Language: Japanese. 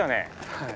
はい。